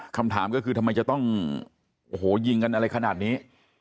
คำถามก็คือทำไมจะต้องโอ้โหยิงกันอะไรขนาดนี้